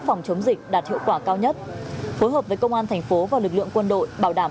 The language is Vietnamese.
phòng chống dịch đạt hiệu quả cao nhất phối hợp với công an thành phố và lực lượng quân đội bảo đảm